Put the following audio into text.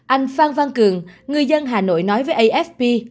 anh phan văn cường người dân hà nội nói với afp